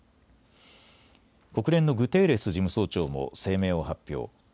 国連のグテーレス事務総長も声明を発表。